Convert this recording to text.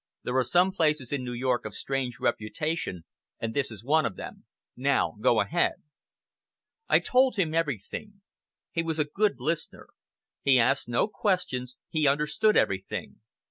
"There are some places in New York of strange reputation, and this is one of them. Now go ahead!" I told him everything. He was a good listener. He asked no questions, he understood everything.